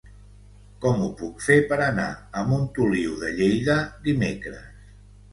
Com ho puc fer per anar a Montoliu de Lleida dimecres?